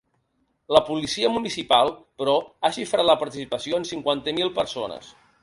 La policia municipal, però, ha xifrat la participació en cinquanta mil persones.